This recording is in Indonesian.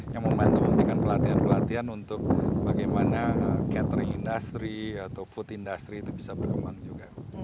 yang membantu memberikan pelatihan pelatihan untuk bagaimana catering industry atau food industry itu bisa berkembang juga